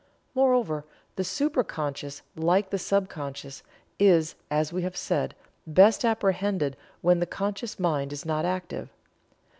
Moreover, the supra conscious, like the sub conscious, is, as we have said, best apprehended when the conscious mind is not active.